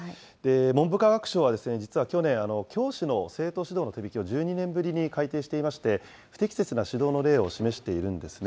文部科学省は、実は去年、教師の生徒指導の手引きを１２年ぶりに改訂していまして、不適切な指導の例を示しているんですね。